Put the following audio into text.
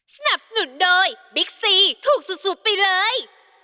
สนับสนุนโดยบิ๊กซีถูกสุดไปเลย